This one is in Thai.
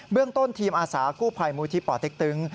เรื่องต้นทีมอาสากู้ภัยมูลที่ป่อเต็กตึง